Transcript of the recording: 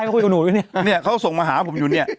เขาก็ส่งมาหาผมอยู่นี่